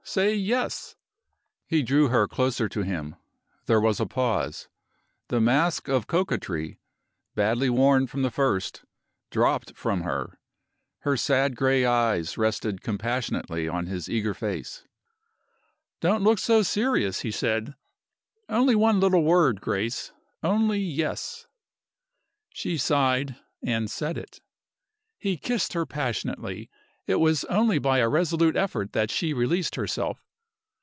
Say Yes!" He drew her closer to him. There was a pause. The mask of coquetry badly worn from the first dropped from her. Her sad gray eyes rested compassionately on his eager face. "Don't look so serious!" he said. "Only one little word, Grace! Only Yes." She sighed, and said it. He kissed her passionately. It was only by a resolute effort that she released herself.